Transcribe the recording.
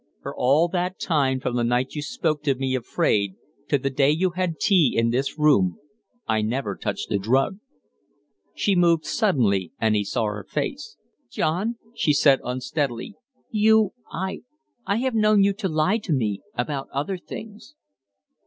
"For all that time from the night you spoke to me of Fraide to the day you had tea in this room I never touched a drug." She moved suddenly, and he saw her face. "John," she said, unsteadily, "you I I have known you to lie to me about other things."